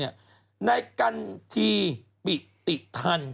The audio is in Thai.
นายกันทีปีติทัน